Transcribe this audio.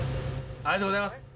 ありがとうございます。